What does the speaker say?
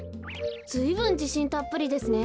ずいぶんじしんたっぷりですね。